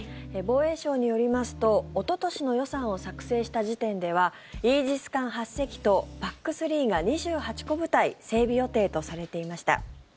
防衛省によりますとおととしの予算を作成した時点ではイージス艦８隻とＰＡＣ３が２８個部隊整備予定とされていました。